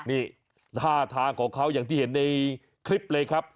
นี่ท่าทางของเขาอย่างที่เห็นในคลิปเลยครับ